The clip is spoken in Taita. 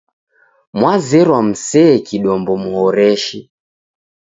Mwazerwa musee kidombo muhoreshe.